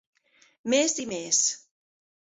Més i més.